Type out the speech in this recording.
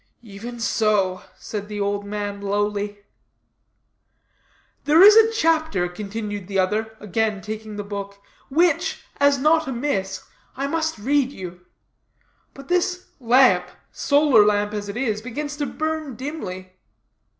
"Even so," said the old man, lowly. "There is a chapter," continued the other, again taking the book, "which, as not amiss, I must read you. But this lamp, solar lamp as it is, begins to burn dimly."